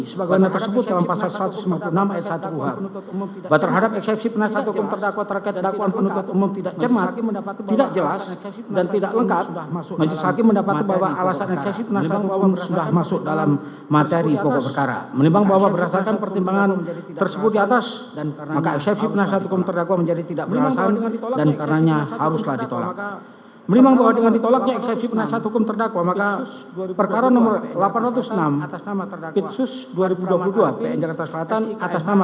sebagai perintah tersebut dalam peradilan umum